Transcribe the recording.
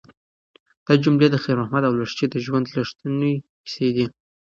دا جملې د خیر محمد او لښتې د ژوند رښتونې کیسې دي.